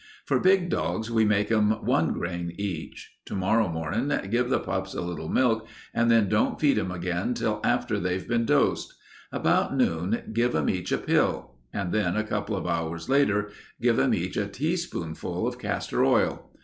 For big dogs we make 'em one grain each. To morrow mornin' give the pups a little milk and then don't feed 'em again till after they've been dosed. About noon give 'em each a pill, and then, a couple of hours later, give 'em each a teaspoonful of castor oil.